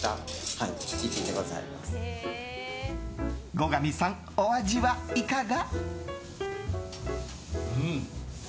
後上さん、お味はいかが？